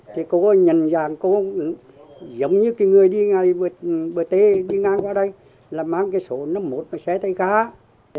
thì cô nhận dạng cô giống như người đi ngang qua đây là mang cái số năm mươi một xe tay cá